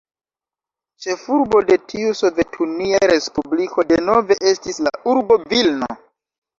Ĉefurbo de tiu sovetunia respubliko denove estis la urbo Vilno.